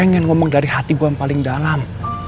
pengen ngomong dari hati gue yang paling dalam